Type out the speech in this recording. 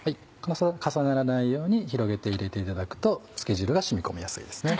重ならないように広げて入れていただくと漬け汁が染み込みやすいですね。